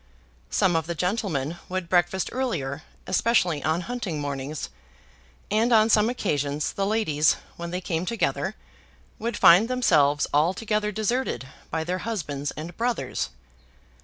Some of the gentlemen would breakfast earlier, especially on hunting mornings; and on some occasions the ladies, when they came together, would find themselves altogether deserted by their husbands and brothers.